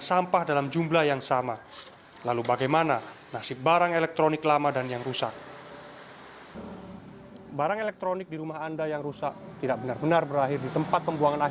sampah ini masuk kategori b tiga atau bahan berbahaya dan beracun